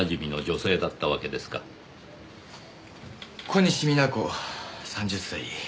小西皆子３０歳。